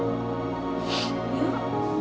kan kita jangan birdsongart juga